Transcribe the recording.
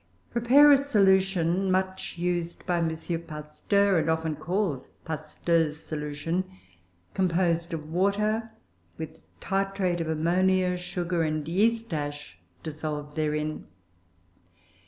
Prepare a solution (much used by M. Pasteur, and often called "Pasteur's solution") composed of water with tartrate of ammonia, sugar, and yeast ash dissolved therein.